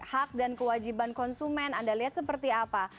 hak dan kewajiban konsumen anda lihat seperti apa